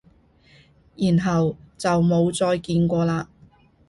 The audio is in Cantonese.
然後就冇再見過喇？